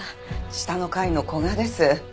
下の階の古雅です。